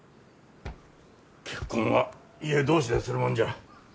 結婚は家同士でするもんじゃ。